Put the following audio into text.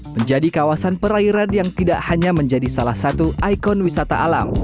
menjadi kawasan perairan yang tidak hanya menjadi salah satu ikon wisata alam